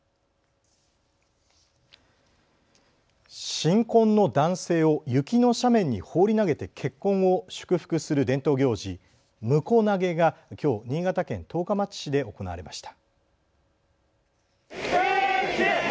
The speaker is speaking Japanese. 新婚の男性を雪の斜面に放り投げて結婚を祝福する伝統行事、むこ投げがきょう新潟県十日町市で行われました。